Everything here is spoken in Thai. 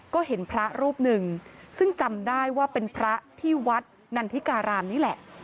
ก็เห็นพระรูปหนึ่งซึ่งจำได้ว่าเป็นพระที่วัดนันทิการามนี่แหละ